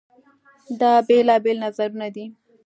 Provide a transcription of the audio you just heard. دا بېلابېل نظرونه دي.